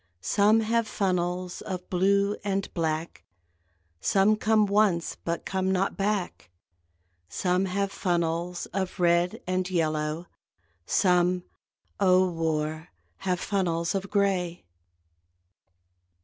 Some have funnels of blue and black, (Some come once but come not back!) Some have funnels of red and yellow, Some O war! have funnels of gray.